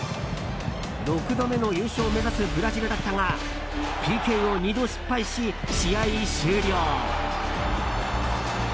６度目の優勝を目指すブラジルだったがＰＫを２度失敗し、試合終了。